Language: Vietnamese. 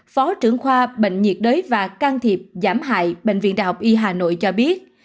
phó trưởng khoa bệnh nhiệt đới và can thiệp giảm hại bệnh viện đại học y hà nội cho biết